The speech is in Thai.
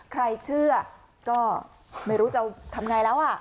ใครเชื่อก็ไม่รู้จะทำไงแล้ว